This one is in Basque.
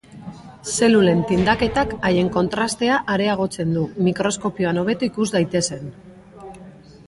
Zelulen tindaketak haien kontrastea areagotzen du, mikroskopioan hobeto ikus daitezen.